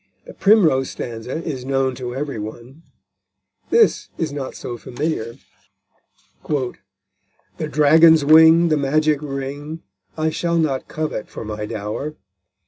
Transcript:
The Primrose stanza is known to every one; this is not so familiar: _The dragon's wing, the magic ring, I shall not covet for my dower.